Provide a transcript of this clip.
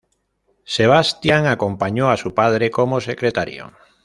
Sebastián acompañó a su padre como secretario.